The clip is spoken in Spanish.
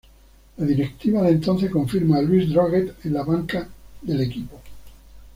La directiva de entonces confirma a Luis Droguett en la banca del equipo.